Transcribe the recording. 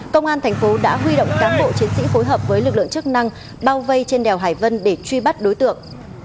công an thành phố đã huy động cán bộ chiến sĩ phối hợp với lực lượng chức năng bao vây trên đèo hải vân để truy bắt đối tượng